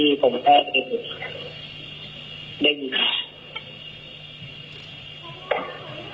ที่ผมแค่ดึงค่ะดึงค่ะ